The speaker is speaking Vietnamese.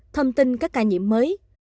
thông tin các ca nhiễm mới